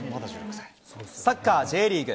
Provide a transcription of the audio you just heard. サッカーＪリーグ。